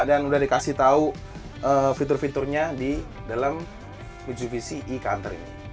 dan udah dikasih tahu fitur fiturnya di dalam mitsubishi e counter ini